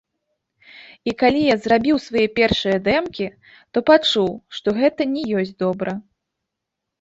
І калі я зрабіў свае першыя дэмкі, то пачуў, што гэта не ёсць добра.